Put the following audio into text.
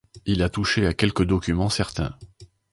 Il a touché à quelques documents certains.